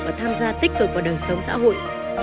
và tham gia tích cực vào đời sống xã hội